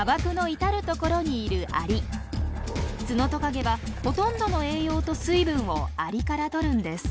ツノトカゲはほとんどの栄養と水分をアリからとるんです。